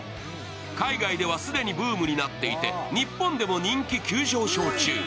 海外では既にブームになっていて日本でも人気急上昇中。